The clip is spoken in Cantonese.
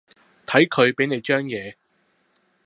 睇佢畀你張嘢